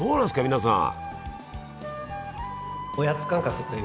皆さん。